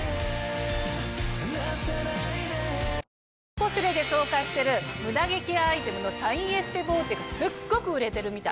『ポシュレ』で紹介してるムダ毛ケアアイテムのシャインエステボーテがすっごく売れてるみたい！